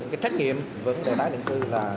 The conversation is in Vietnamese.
cái trách nhiệm vấn đề thái định cư